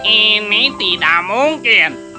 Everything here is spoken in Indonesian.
ini tidak mungkin